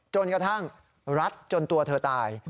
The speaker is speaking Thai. กระทั่งรัดจนตัวเธอตาย